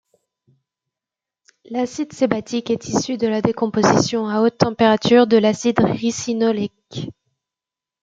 L’acide sébacique est issu de la décomposition à haute température de l’acide ricinoléique.